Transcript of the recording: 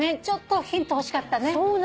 ちょっとヒント欲しかったね